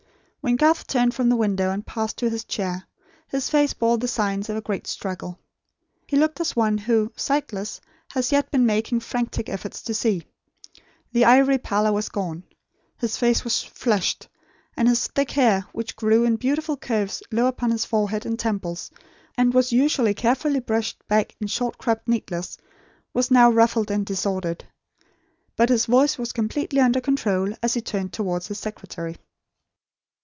When Garth turned from the window and passed to his chair, his face bore the signs of a great struggle. He looked as one who, sightless, has yet been making frantic efforts to see. The ivory pallor was gone. His face was flushed; and his thick hair, which grew in beautiful curves low upon his forehead and temples, and was usually carefully brushed back in short cropped neatness, was now ruffled and disordered. But his voice was completely under control, as he turned towards his secretary.